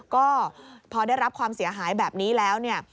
ก็พอได้รับความเสียหายแบบนี้แล้วเนี่ย